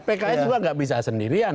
pks juga nggak bisa sendirian